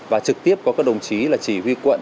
và trực tiếp có các đồng chí là chỉ huy quận